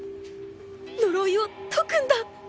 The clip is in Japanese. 呪いを解くんだ！